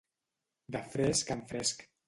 De fresc en fresc.